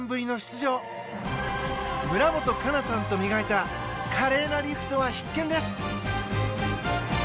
村元哉中さんと磨いた華麗なリフトは必見です！